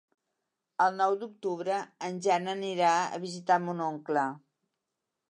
El nou d'octubre en Jan anirà a visitar mon oncle.